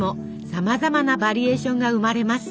さまざまなバリエーションが生まれます。